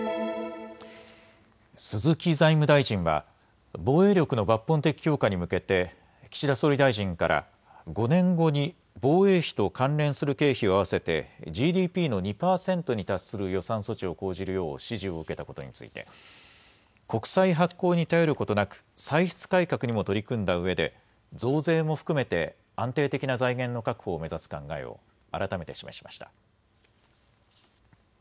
鈴木財務大臣は防衛力の抜本的強化に向けて岸田総理大臣から５年後に防衛費と関連する経費を合わせてＧＤＰの２％に達する予算措置を講じるよう指示を受けたことについて、国債発行に頼ることなく歳出改革にも取り組んだうえで増税も含めて安定的な財源の確保を目指す考えを改めて示しました。